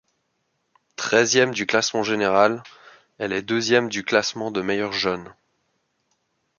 Treizième du classement général, elle est deuxième du classement de meilleure jeune.